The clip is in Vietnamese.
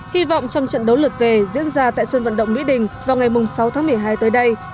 hy vọng trong trận đấu lượt về diễn ra tại sân vận động mỹ đình vào ngày sáu tháng một mươi hai tới đây